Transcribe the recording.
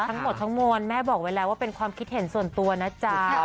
ทั้งหมดทั้งมวลแม่บอกไว้แล้วว่าเป็นความคิดเห็นส่วนตัวนะจ๊ะ